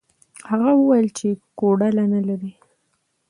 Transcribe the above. هغه وویل چې کوډله نه لري.